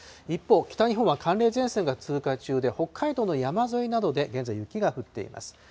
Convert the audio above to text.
一方、北日本は寒冷前線が通過中で、北海道の山沿いなどで現在、雪が降っています。